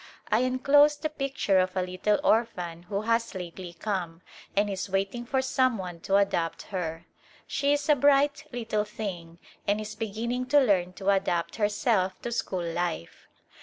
I enclose the picture of a little orphan who has lately come, and is waiting for some one to adopt her. She is a bright little thing and is begin ning to learn to adapt herself to school life.